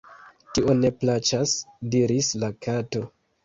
"Tio ne plaĉas," diris la Kato.